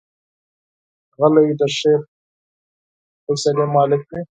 غلی، د ښې فیصلې مالک وي.